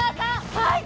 はい！